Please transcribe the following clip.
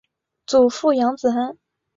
祖父杨子安。